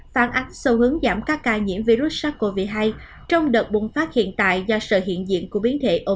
phản ánh sâu hướng giảm các ca nhiễm virus sars cov hai trong đợt bùng phát hiện tại do sự hiện diện của biến thể omicron